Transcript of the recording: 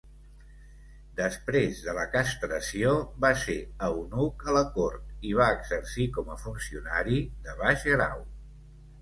Després de la castració, va ser eunuc a la cort i va exercir com a funcionari de baix grau.